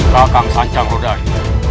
rakan sanjang rudari